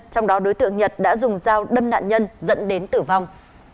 trong đó đối tượng nhật đã dùng dao đâm nạn nhân dẫn đến tử vong